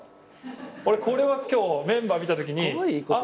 俺これは今日メンバー見たときにあっ